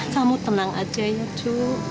kamu tenang aja ya ju